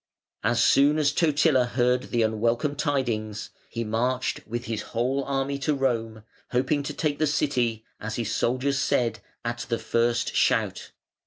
As soon as Totila heard the unwelcome tidings, he marched with his whole army to Rome, hoping to take the City, as his soldiers said, "at the first shout".